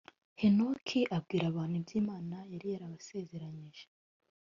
henoki abwire abantu ibyo imana yari yabasezeranyije